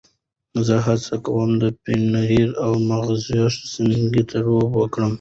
زه هڅه کوم د پنیر او مغزیاتو سنکس ترکیب وکړم.